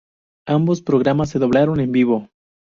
Ambos programas se doblaron en vivo.